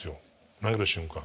投げる瞬間。